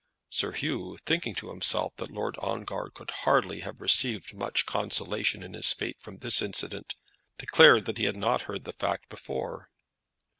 Sir Hugh, thinking to himself that Lord Ongar could hardly have received much consolation in his fate from this incident, declared that he had not heard the fact before.